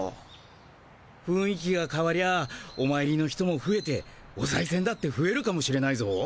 ふんい気がかわりゃおまいりの人もふえておさいせんだってふえるかもしれないぞ。